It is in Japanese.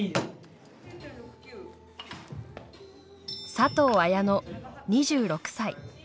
佐藤綾乃２６歳。